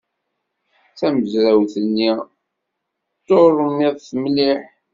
Tamezrawt-nni d turmidt mliḥ.